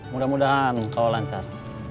mudah mudahan kalau lancar